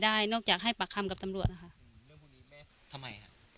มันน่าจะปกติบ้านเรามีก้านมะยมไหม